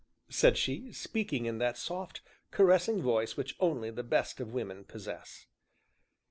said she, speaking in that soft, caressing voice which only the best of women possess.